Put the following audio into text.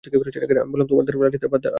আমি বললাম, তোমরা লাঠি দ্বারা পাথরে আঘাত কর।